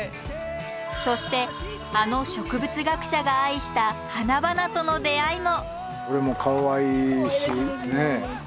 そしてあの植物学者が愛した花々との出会いも！